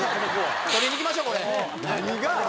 撮りに行きましょうこれ。何が？